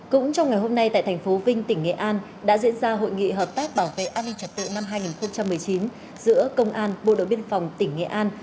cũng trong ngày hôm nay tại thành phố vinh tỉnh nghệ an đã diễn ra hội nghị hợp tác bảo vệ an ninh trật tự năm hai nghìn một mươi chín giữa công an bộ đội biên phòng tỉnh nghệ an